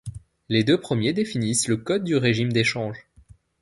Les deux premiers définissent le code du régime d'échange.